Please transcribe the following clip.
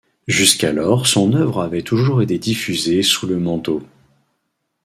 Jusqu'alors son œuvre avait toujours été diffusée sous le manteau.